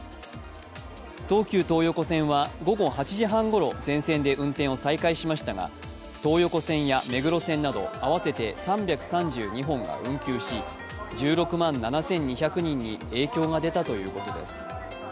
東急東横線は午後８時半ごろ全線で運転を再開しましたが、東横線や目黒線など合わせて３３２本が運休し１６万７２００人に影響が出たということです。